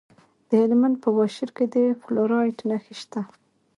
د هلمند په واشیر کې د فلورایټ نښې شته.